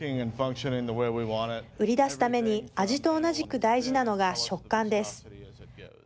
売り出すために味と同じく大事なのが食感です。